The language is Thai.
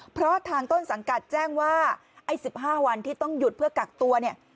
เพราะทางต้นสังกัดแจ้งว่าไอ้๑๕วันที่ต้องหยุดเพื่อกักตัวเนี่ย